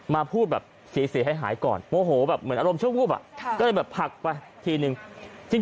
มาพูดแบบเสียหายก่อนโมโหแบบเหมือนอารมณ์ชั่ววูบก็เลยแบบผลักไปทีนึง